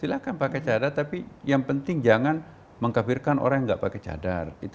silahkan pakai cahadar tapi yang penting jangan mengkafirkan orang yang tidak pakai cahadar